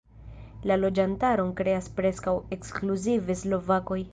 La loĝantaron kreas preskaŭ ekskluzive slovakoj.